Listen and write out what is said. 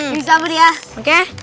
pilih sobri ya oke